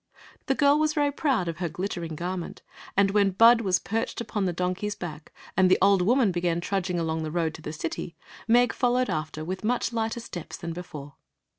The girl was very proud of her glittering garment, and when Bud was perched upon the donkey s back and the old woman began trudging along the road to the city, Meg followed after with much lighter steps than before.